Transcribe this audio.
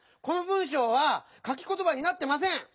この文しょうはかきことばになってません！